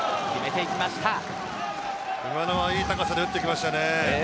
いい高さで打ってきましたね。